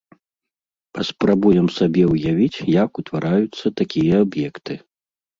Паспрабуем сабе ўявіць, як утвараюцца такія аб'екты.